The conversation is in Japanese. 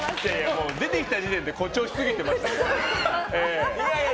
もう出てきた時点で誇張しすぎてましたから。